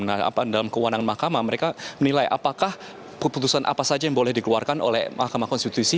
nah dalam kewenangan mahkamah mereka menilai apakah keputusan apa saja yang boleh dikeluarkan oleh mahkamah konstitusi